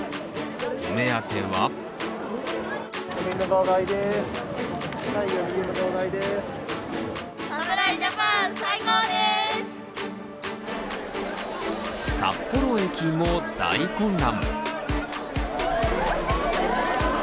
お目当ては札幌駅も大混乱。